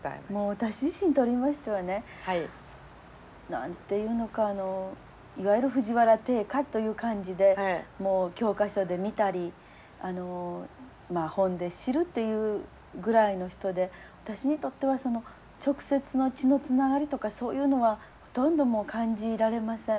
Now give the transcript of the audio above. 私自身にとりましてはね何て言うのかいわゆる藤原定家という感じでもう教科書で見たり本で知るというぐらいの人で私にとっては直接の血のつながりとかそういうのはほとんど感じられません。